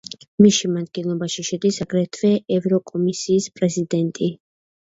მის შემადგენლობაში შედის აგრეთვე ევროკომისიის პრეზიდენტი.